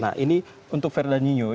nah ini untuk fernandinho